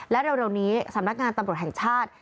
และเร็วนี้สำนักงานตำรวจแห่งชาติ